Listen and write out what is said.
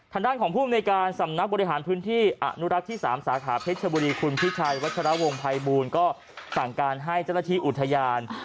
ทางด้านของภูมิในการสำนักบริหารพื้นที่อนุรักษ์ที่๓สาขาเพชรชบุรีคุณพิชัยวัชรวงภัยบูลก็สั่งการให้เจ้าหน้าที่อุทยาน